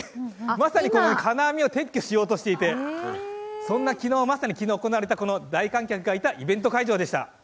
まさに金網を撤去しようとしていて、そんな、まさに昨日行われたこの大観客がいたイベント会場でした！